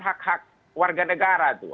hak hak warga negara itu